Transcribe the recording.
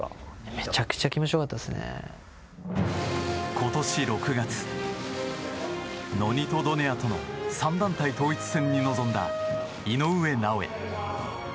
今年６月、ノニト・ドネアとの３団体統一戦に臨んだ井上尚弥。